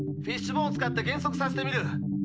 フィッシュボーンを使って減速させてみる。